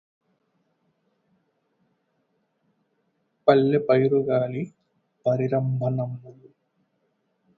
పల్లె పైరుగాలి పరిరంభణమ్ములు